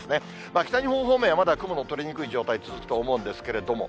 北日本方面はまだ雲の取れにくい状態が続くと思うんですけれども。